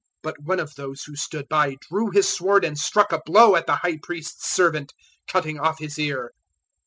014:047 But one of those who stood by drew his sword and struck a blow at the High Priest's servant, cutting off his ear.